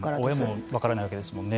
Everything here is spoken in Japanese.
親も分からないわけですもんね。